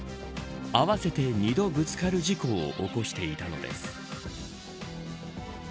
合わせて２度、ぶつかる事故を起こしていたのです。